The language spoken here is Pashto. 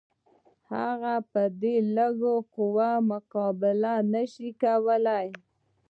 هغه په دې لږه قوه مقابله نه شوای کولای.